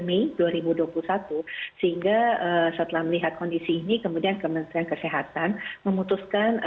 mei dua ribu dua puluh satu sehingga setelah melihat kondisi ini kemudian kementerian kesehatan memutuskan